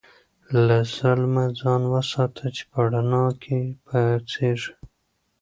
له ظلمه ځان وساته چې په رڼا کې پاڅېږې.